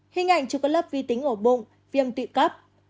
hình ảnh chứa có lớp vi tính ổ bụng viêm tự cấp